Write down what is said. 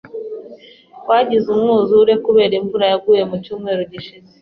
Twagize umwuzure kubera imvura yaguye mucyumweru gishize.